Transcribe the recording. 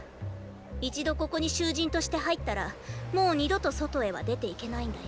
一度ここに囚人として入ったらもう二度と外へは出ていけないんだよ。